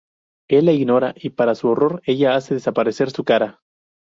Él la ignora, y para su horror, ella hace desaparecer su cara.